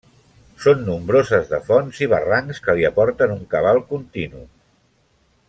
Són nombroses de fonts i barrancs que li aporten un cabal continu.